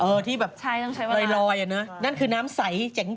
เออที่แบบไลลอยอันนั้นนั้นคือน้ำใสเจ๋ง